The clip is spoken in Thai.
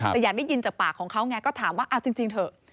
แต่อยากได้ยินจากปากของเขาไงก็ถามว่าเอาจริงเถอะ